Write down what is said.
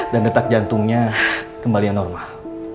dan detak jantungnya kembali normal